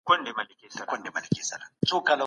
موږ په مراقبه کولو بوخت یو.